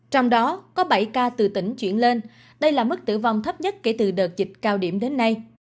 trong đó có bảy ca từ tỉnh chuyển lên đây là mức tử vong thấp nhất kể từ đợt dịch cao điểm đến nay